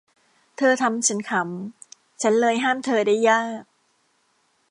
เธอทำฉันขำ ฉันเลยห้ามเธอได้ยาก